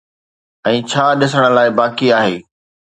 ۽ ڇا ڏسڻ لاءِ باقي آهي